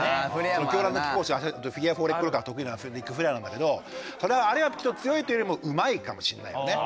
その狂乱の貴公子はフィギュアフォーレッグロックが得意なリック・フレアーなんだけどただあれは強いというよりもうまいかもしれないよね。